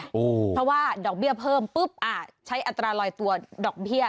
เพราะว่าดอกเบี้ยเพิ่มปุ๊บใช้อัตราลอยตัวดอกเบี้ย